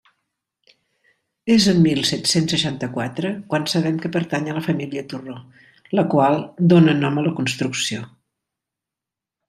És en mil set-cents seixanta-quatre quan sabem que pertany a la família Torró, la qual dóna nom a la construcció.